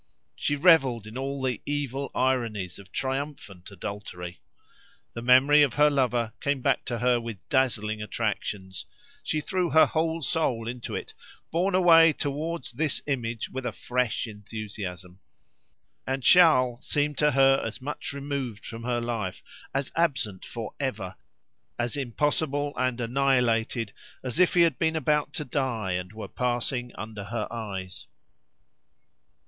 She revelled in all the evil ironies of triumphant adultery. The memory of her lover came back to her with dazzling attractions; she threw her whole soul into it, borne away towards this image with a fresh enthusiasm; and Charles seemed to her as much removed from her life, as absent forever, as impossible and annihilated, as if he had been about to die and were passing under her eyes.